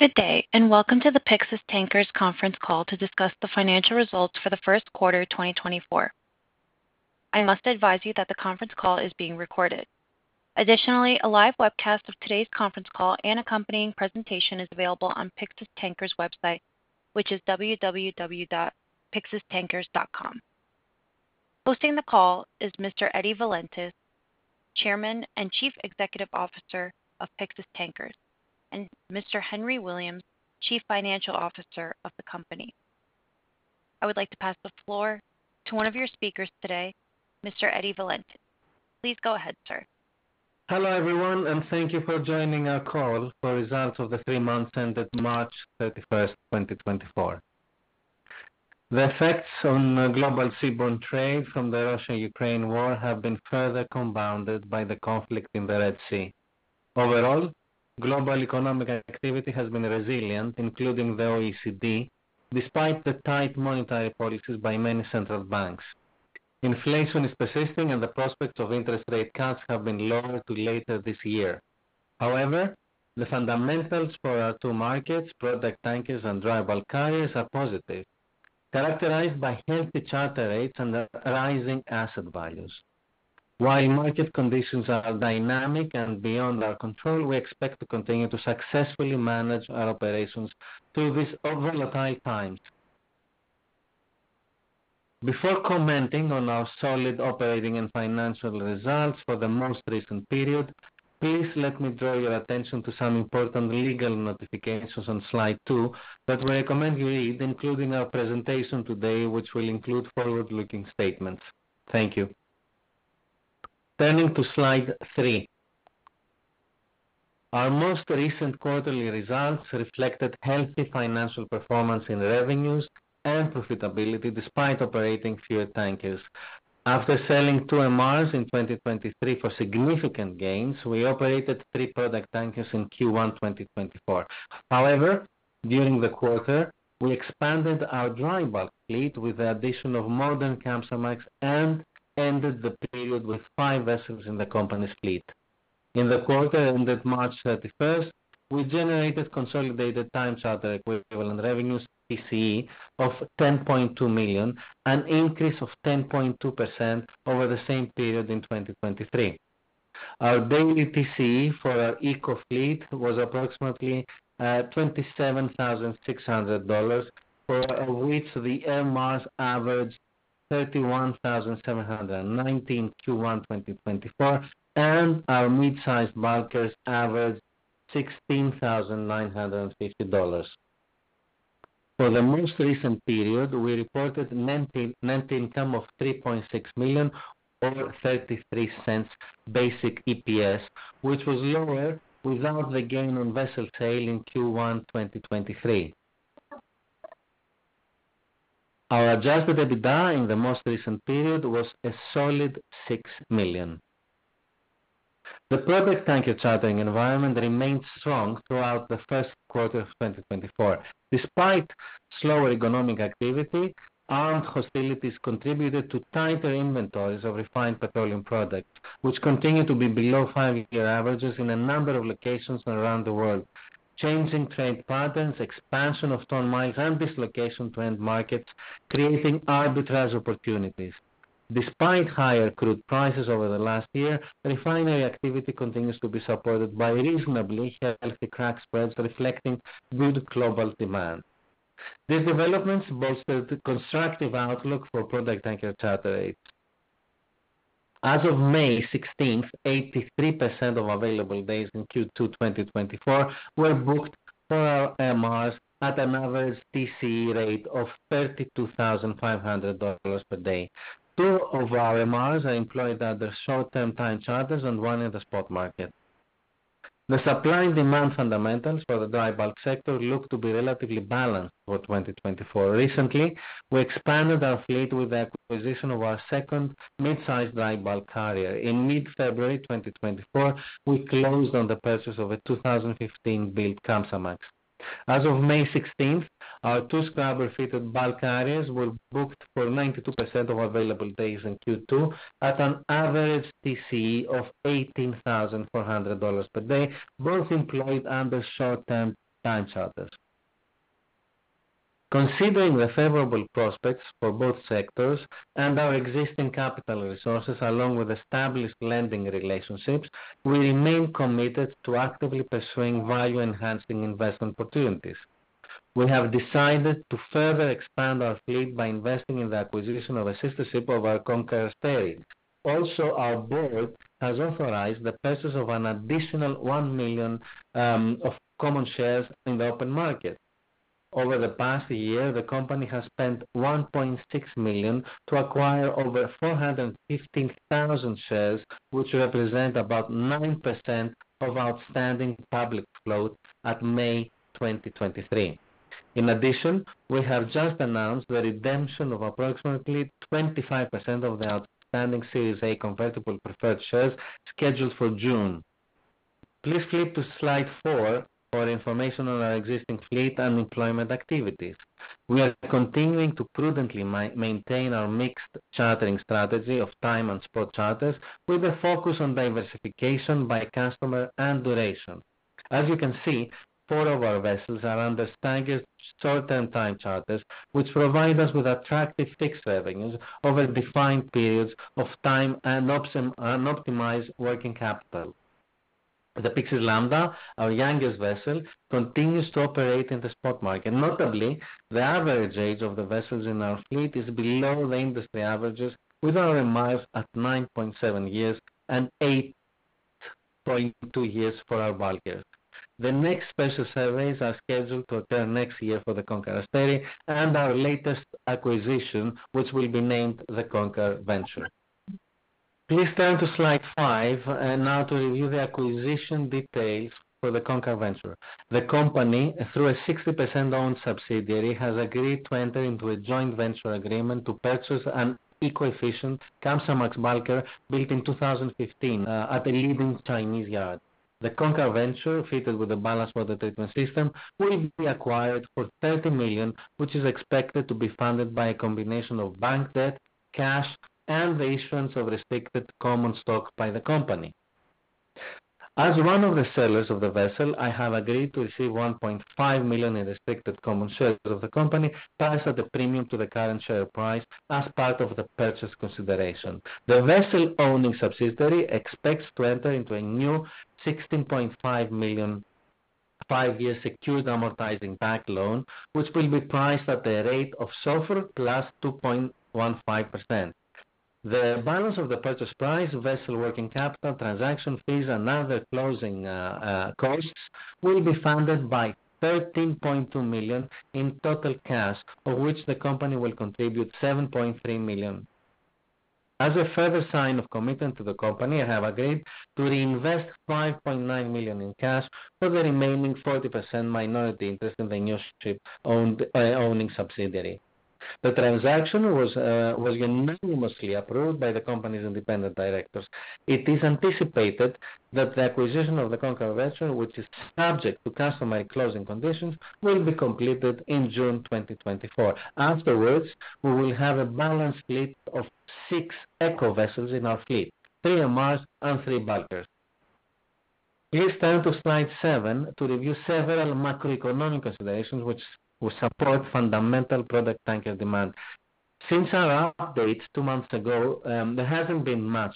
Good day, and welcome to the Pyxis Tankers conference call to discuss the financial results for the first quarter, 2024. I must advise you that the conference call is being recorded. Additionally, a live webcast of today's conference call and accompanying presentation is available on Pyxis Tankers website, which is www.pyxistankers.com. Hosting the call is Mr. Eddie Valentis, Chairman and Chief Executive Officer of Pyxis Tankers, and Mr. Henry Williams, Chief Financial Officer of the company. I would like to pass the floor to one of your speakers today, Mr. Eddie Valentis. Please go ahead, sir. Hello, everyone, and thank you for joining our call for results of the three months ended March 31st, 2024. The effects on global seaborne trade from the Russia-Ukraine war have been further compounded by the conflict in the Red Sea. Overall, global economic activity has been resilient, including the OECD, despite the tight monetary policies by many central banks. Inflation is persisting, and the prospects of interest rate cuts have been lowered to later this year. However, the fundamentals for our two markets, product tankers and dry bulk carriers, are positive, characterized by healthy charter rates and rising asset values. While market conditions are dynamic and beyond our control, we expect to continue to successfully manage our operations through this volatile time. Before commenting on our solid operating and financial results for the most recent period, please let me draw your attention to some important legal notifications on slide two that we recommend you read, including our presentation today, which will include forward-looking statements. Thank you. Turning to slide three. Our most recent quarterly results reflected healthy financial performance in revenues and profitability despite operating fewer tankers. After selling two MRs in 2023 for significant gains, we operated three product tankers in Q1 2024. However, during the quarter, we expanded our dry bulk fleet with the addition of modern Kamsarmax and ended the period with five vessels in the company's fleet. In the quarter ended March 31, we generated consolidated time charter equivalent revenues, TCE, of $10.2 million, an increase of 10.2% over the same period in 2023. Our daily TCE for our eco fleet was approximately $27,600, for which the MRs averaged $31,719 Q1 2024, and our mid-size bulkers averaged $16,950. For the most recent period, we reported net income of $3.6 million or $0.33 basic EPS, which was lower without the gain on vessel sale in Q1 2023. Our Adjusted EBITDA in the most recent period was a solid $6 million. The product tanker chartering environment remained strong throughout the first quarter of 2024. Despite slower economic activity, armed hostilities contributed to tighter inventories of refined petroleum products, which continue to be below five-year averages in a number of locations around the world. Changing trade patterns, expansion of ton miles, and dislocation to end markets, creating arbitrage opportunities. Despite higher crude prices over the last year, refinery activity continues to be supported by reasonably healthy crack spreads, reflecting good global demand. These developments bolstered the constructive outlook for product tanker charter rates. As of May sixteenth, 83% of available days in Q2 2024 were booked for our MRs at an average TCE rate of $32,500 per day. Two of our MRs are employed under short-term time charters and one in the spot market. The supply and demand fundamentals for the dry bulk sector look to be relatively balanced for 2024. Recently, we expanded our fleet with the acquisition of our second mid-size dry bulk carrier. In mid-February 2024, we closed on the purchase of a 2015-built Kamsarmax. As of May 16th, our two scrubber-fitted bulk carriers were booked for 92% of available days in Q2 at an average TCE of $18,400 per day, both employed under short-term time charters. Considering the favorable prospects for both sectors and our existing capital resources, along with established lending relationships, we remain committed to actively pursuing value-enhancing investment opportunities. We have decided to further expand our fleet by investing in the acquisition of a sister ship of our Konkar Spirit. Also, our board has authorized the purchase of an additional 1 million of common shares in the open market. Over the past year, the company has spent $1.6 million to acquire over 415,000 shares, which represent about 9% of outstanding public float at May 2023. In addition, we have just announced the redemption of approximately 25% of the outstanding Series A convertible preferred shares scheduled for June. Please flip to slide 4 for information on our existing fleet and employment activities. We are continuing to prudently maintain our mixed chartering strategy of time and spot charters, with a focus on diversification by customer and duration. As you can see, four of our vessels are under staggered short-term time charters, which provide us with attractive fixed revenues over defined periods of time and optionality, and optimized working capital. The Pyxis Lamda, our youngest vessel, continues to operate in the spot market. Notably, the average age of the vessels in our fleet is below the industry averages, with our MRs at 9.7 years and 8.2 years for our bulkers. The next special surveys are scheduled to occur next year for the Konkar Asteri and our latest acquisition, which will be named the Konkar Venture. Please turn to slide five, now to review the acquisition details for the Konkar Venture. The company, through a 60% owned subsidiary, has agreed to enter into a joint venture agreement to purchase an eco-efficient Kamsarmax bulker, built in 2015, at a leading Chinese yard. The Konkar Venture, fitted with a ballast water treatment system, will be acquired for $30 million, which is expected to be funded by a combination of bank debt, cash, and the issuance of restricted common stock by the company. As one of the sellers of the vessel, I have agreed to receive $1.5 million in restricted common shares of the company, priced at a premium to the current share price as part of the purchase consideration. The vessel-owning subsidiary expects to enter into a new $16.5 million, five-year secured amortizing bank loan, which will be priced at the rate of SOFR + 2.15%. The balance of the purchase price, vessel working capital, transaction fees, and other closing costs will be funded by $13.2 million in total cash, of which the company will contribute $7.3 million. As a further sign of commitment to the company, I have agreed to reinvest $5.9 million in cash for the remaining 40% minority interest in the new ship-owning subsidiary. The transaction was unanimously approved by the company's independent directors. It is anticipated that the acquisition of the Konkar Venture, which is subject to customary closing conditions, will be completed in June 2024. Afterwards, we will have a balanced fleet of 6 eco vessels in our fleet, 3 MRs and 3 bulkers. Please turn to slide 7 to review several macroeconomic considerations which will support fundamental product tanker demand. Since our update 2 months ago, there hasn't been much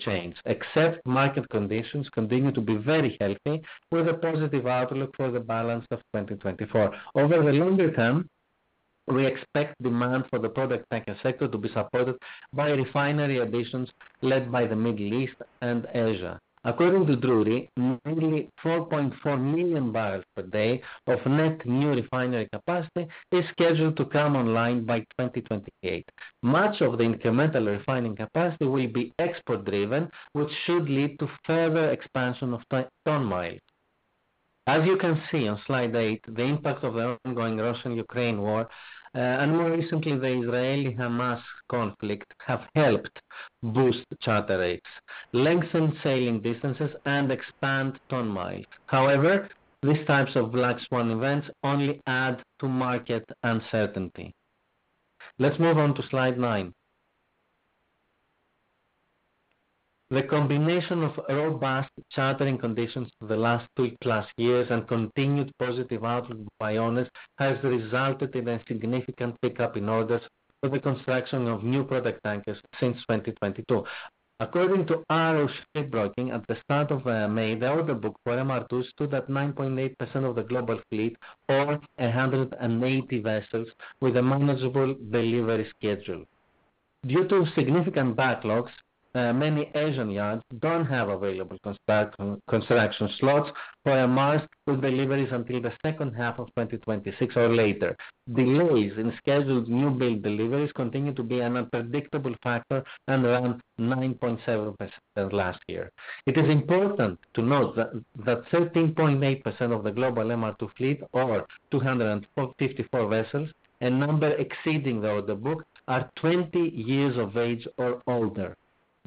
change, except market conditions continue to be very healthy, with a positive outlook for the balance of 2024. Over the longer term, we expect demand for the product tanker sector to be supported by refinery additions led by the Middle East and Asia. According to Drewry, nearly 4.4 million barrels per day of net new refinery capacity is scheduled to come online by 2028. Much of the incremental refining capacity will be export-driven, which should lead to further expansion of ton mile. As you can see on slide 8, the impact of the ongoing Russian-Ukraine war, and more recently, the Israeli-Hamas conflict, have helped boost charter rates, lengthen sailing distances and expand ton miles. However, these types of black swan events only add to market uncertainty. Let's move on to slide 9. The combination of robust chartering conditions for the last 2+ years and continued positive outlook by owners, has resulted in a significant pickup in orders for the construction of new product tankers since 2022. According to Arrow Shipbroking, at the start of May, the order book for MR2 stood at 9.8% of the global fleet or 180 vessels with a manageable delivery schedule. Due to significant backlogs, many Asian yards don't have available construction slots for MRs with deliveries until the second half of 2026 or later. Delays in scheduled new build deliveries continue to be an unpredictable factor and around 9.7% last year. It is important to note that 13.8% of the global MR2 fleet, or 254 vessels, a number exceeding the order book, are 20 years of age or older.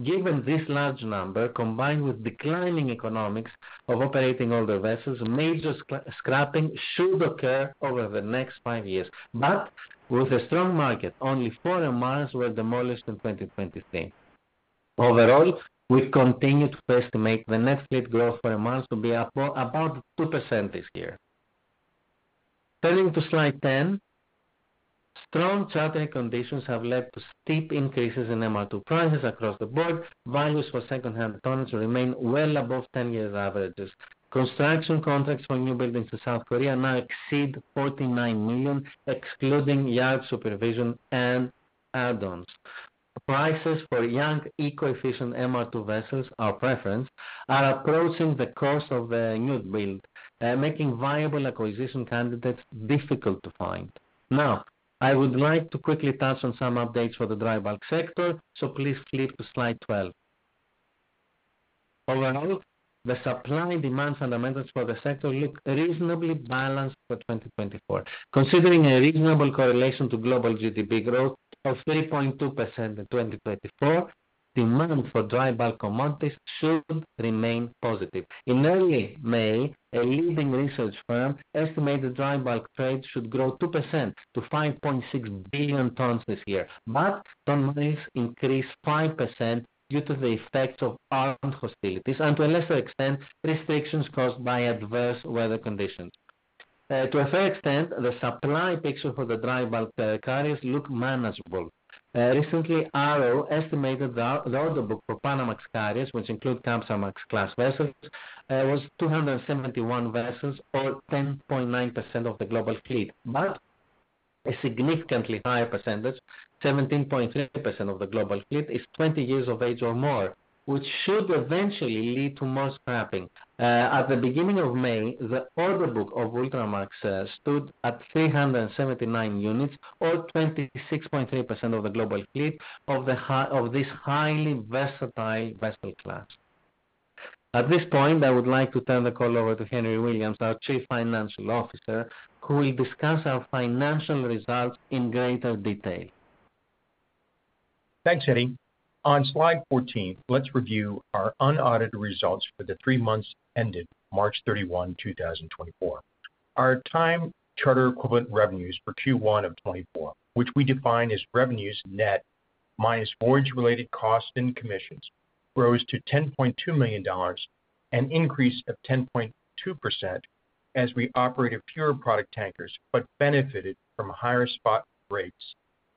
Given this large number, combined with declining economics of operating older vessels, major scrapping should occur over the next 5 years. But with a strong market, only four MRs were demolished in 2023. Overall, we continue to estimate the net fleet growth for MRs to be about 2% this year. Turning to slide 10. Strong chartering conditions have led to steep increases in MR2 prices across the board. Values for secondhand tonnage remain well above 10-year averages. Construction contracts for newbuildings to South Korea now exceed $49 million, excluding yard supervision and add-ons. Prices for young, eco-efficient MR2 vessels, our preference, are approaching the cost of a new build, making viable acquisition candidates difficult to find. Now, I would like to quickly touch on some updates for the dry bulk sector, so please flip to slide 12. Overall, the supply and demand fundamentals for the sector look reasonably balanced for 2024, considering a reasonable correlation to global GDP growth of 3.2% in 2024. Demand for dry bulk commodities should remain positive. In early May, a leading research firm estimated the dry bulk trade should grow 2% to 5.6 billion tons this year, but ton miles increase 5% due to the effects of armed hostilities and, to a lesser extent, restrictions caused by adverse weather conditions. To a fair extent, the supply picture for the dry bulk carriers look manageable. Recently, Arrow estimated the order book for Panamax carriers, which include Kamsarmax-class vessels, was 271 vessels, or 10.9% of the global fleet. But a significantly higher percentage, 17.3% of the global fleet, is 20 years of age or more, which should eventually lead to more scrapping. At the beginning of May, the order book of Ultramax stood at 379 units, or 26.3% of the global fleet of this highly versatile vessel class. At this point, I would like to turn the call over to Henry Williams, our Chief Financial Officer, who will discuss our financial results in greater detail. Thanks, Eddie. On slide 14, let's review our unaudited results for the three months ended March 31, 2024. Our time charter equivalent revenues for Q1 of 2024, which we define as revenues net minus voyage-related costs and commissions, rose to $10.2 million, an increase of 10.2% as we operated fewer product tankers but benefited from higher spot rates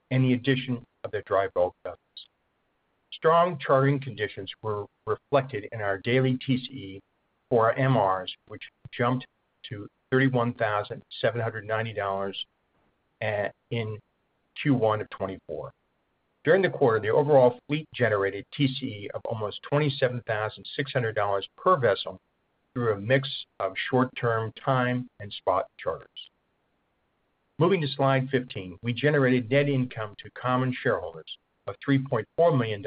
and the addition of the dry bulk vessels. Strong chartering conditions were reflected in our daily TCE for our MRs, which jumped to $31,790 in Q1 of 2024. During the quarter, the overall fleet generated TCE of almost $27,600 per vessel through a mix of short-term time and spot charters. Moving to slide 15, we generated net income to common shareholders of $3.4 million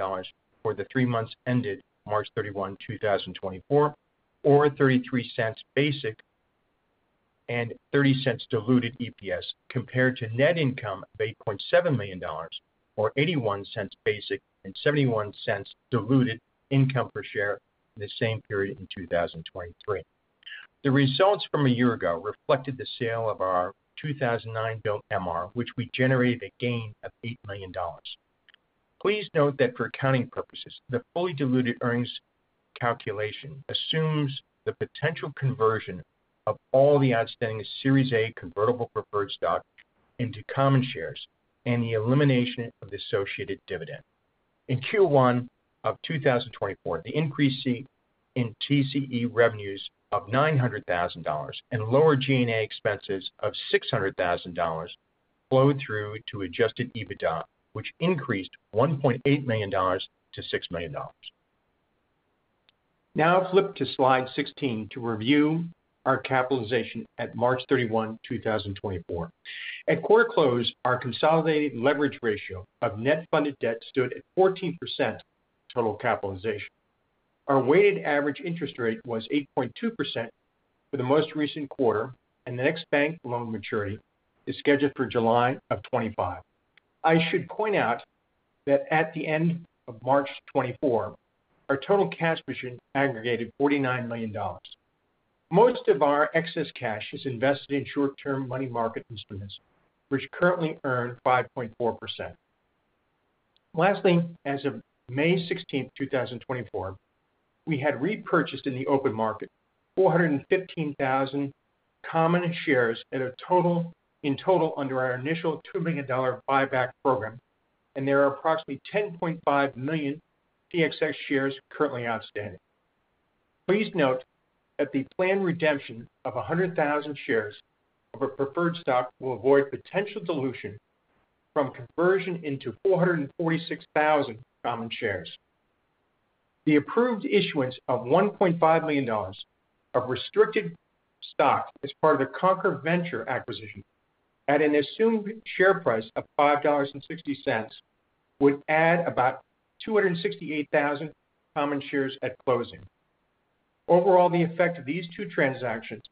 for the three months ended March 31, 2024, or 33 cents basic and 30 cents diluted EPS, compared to net income of $8.7 million, or 81 cents basic and 71 cents diluted income per share, the same period in 2023. The results from a year ago reflected the sale of our 2009-built MR, which we generated a gain of $8 million. Please note that for accounting purposes, the fully diluted earnings calculation assumes the potential conversion of all the outstanding Series A convertible preferred stock into common shares and the elimination of the associated dividend. In Q1 of 2024, the increase in TCE revenues of $900,000 and lower G&A expenses of $600,000 flowed through to Adjusted EBITDA, which increased $1.8 million to $6 million. Now, flip to slide 16 to review our capitalization at March 31, 2024. At quarter close, our consolidated leverage ratio of net funded debt stood at 14% total capitalization. Our weighted average interest rate was 8.2% for the most recent quarter, and the next bank loan maturity is scheduled for July of 2025. I should point out that at the end of March 2024, our total cash position aggregated $49 million. Most of our excess cash is invested in short-term money market instruments, which currently earn 5.4%. Lastly, as of May 16, 2024, we had repurchased in the open market 415,000 common shares in total under our initial $2 million buyback program, and there are approximately 10.5 million PXS shares currently outstanding. Please note that the planned redemption of 100,000 shares of our preferred stock will avoid potential dilution from conversion into 446,000 common shares. The approved issuance of $1.5 million of restricted stock as part of the Konkar Venture acquisition, at an assumed share price of $5.60, would add about 268,000 common shares at closing. Overall, the effect of these two transactions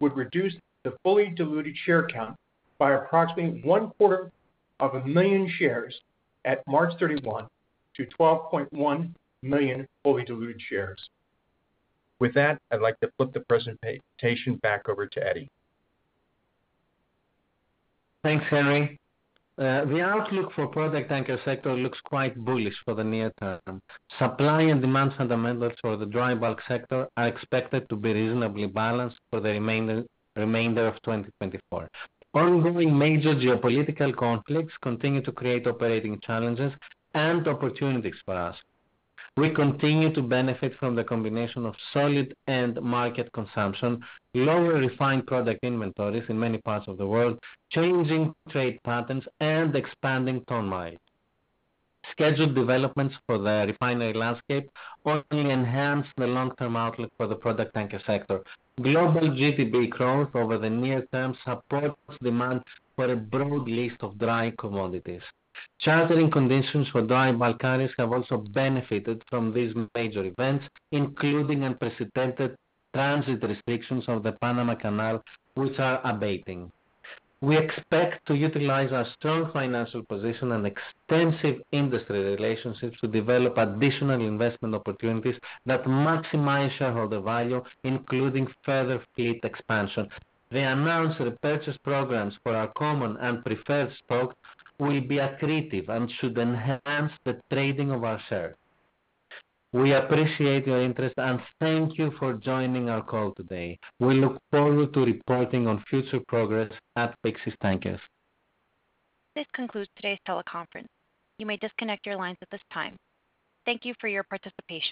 would reduce the fully diluted share count by approximately 250,000 shares at March 31 to 12.1 million fully diluted shares. With that, I'd like to flip the presentation back over to Eddie. Thanks, Henry. The outlook for product tanker sector looks quite bullish for the near term. Supply and demand fundamentals for the dry bulk sector are expected to be reasonably balanced for the remainder of 2024. Ongoing major geopolitical conflicts continue to create operating challenges and opportunities for us. We continue to benefit from the combination of solid end market consumption, lower refined product inventories in many parts of the world, changing trade patterns, and expanding ton mileage. Scheduled developments for the refinery landscape only enhance the long-term outlook for the product tanker sector. Global GDP growth over the near term supports demand for a broad list of dry commodities. Chartering conditions for dry bulk carriers have also benefited from these major events, including unprecedented transit restrictions of the Panama Canal, which are abating. We expect to utilize our strong financial position and extensive industry relationships to develop additional investment opportunities that maximize shareholder value, including further fleet expansion. The announced repurchase programs for our common and preferred stock will be accretive and should enhance the trading of our shares. We appreciate your interest, and thank you for joining our call today. We look forward to reporting on future progress at Pyxis Tankers. This concludes today's teleconference. You may disconnect your lines at this time. Thank you for your participation.